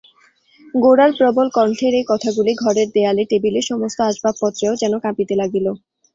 গোরার প্রবল কণ্ঠের এই কথাগুলি ঘরের দেয়ালে টেবিলে, সমস্ত আসবাবপত্রেও যেন কাঁপিতে লাগিল।